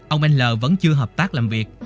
ông n vẫn chưa hợp tác làm việc